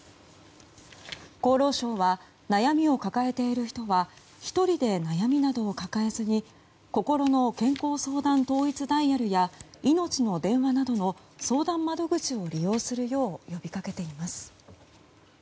厚労省は、悩みを抱えている人は１人で悩みなどを抱えずにこころの健康相談統一ダイヤルやいのちの電話などの相談窓口を利用するよう呼びかけています。